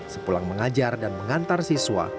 sepulang mengajar dan mengantar siswa